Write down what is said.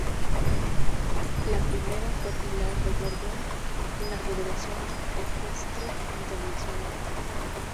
La primera fue Pilar de Borbón en la Federación Ecuestre Internacional.